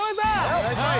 はい・